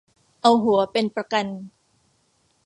เอาหัวเป็นประกัน